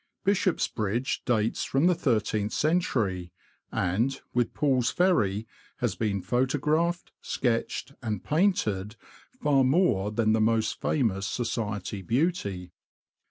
Bishop's Bridge dates from the thirteenth century, and, with Pull's Ferry, has been photographed, sketched, and painted far more than the most famous society beauty.